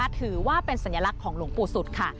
ถือว่าเป็นสัญลักษณ์ของหลวงปู่สุดค่ะ